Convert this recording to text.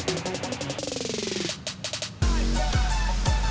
aku sama yayat